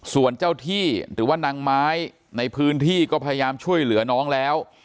ส่วนเจ้าที่หรือว่านางไม้ในพื้นที่ก็พยายามช่วยเหลือน้องแล้ว